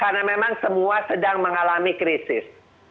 karena memang semua sedang mengalami krisis